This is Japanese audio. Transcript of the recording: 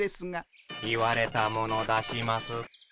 言われたもの出します。